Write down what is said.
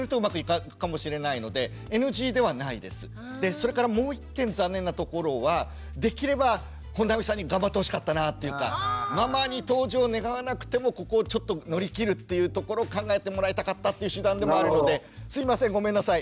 それからもう１点残念なところはできれば本並さんに頑張ってほしかったなっていうかママに登場願わなくてもここをちょっと乗り切るっていうところ考えてもらいたかったっていう手段でもあるのですいませんごめんなさい